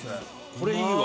これいいわ！